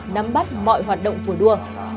nắm bắt mọi hoạt động của đua